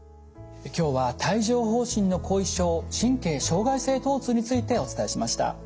今日は帯状ほう疹の後遺症神経障害性とう痛についてお伝えしました。